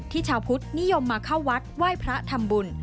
ชาวพุทธนิยมมาเข้าวัดไหว้พระทำบุญ